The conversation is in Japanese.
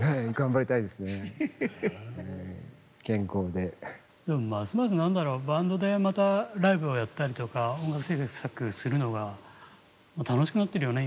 でもますます何だろうバンドでまたライブをやったりとか音楽制作するのが楽しくなってるよね